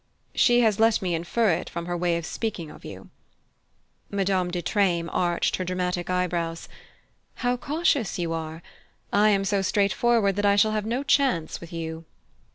"She has let me infer it from her way of speaking of you." Madame de Treymes arched her dramatic eyebrows. "How cautious you are! I am so straightforward that I shall have no chance with you."